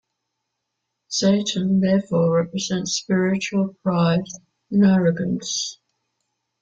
Satan therefore represents spiritual pride and arrogance.